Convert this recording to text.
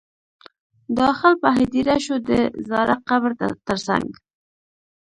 داخل په هدیره شو د زاړه قبر تر څنګ.